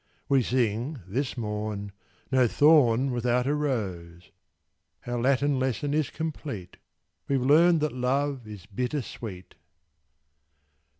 We sing, this morn, "No thorn without a rose!" Our Latin lesson is complete: We've learned that Love is Bitter Sweet!